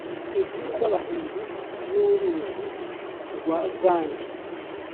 idini ry’abahindu n’uruzi rwa gange